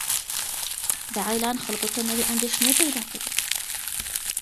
دا اعلان خلکو ته نوې اندېښنې پیدا کوي.